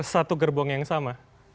satu gerbong yang sama